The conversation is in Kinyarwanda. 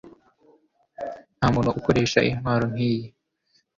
Ntamuntu ukoresha intwaro nkiyi